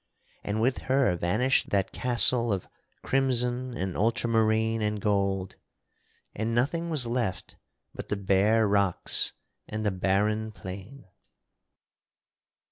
And with her vanished that castle of crimson and ultramarine and gold and nothing was left but the bare rocks and the barren plain.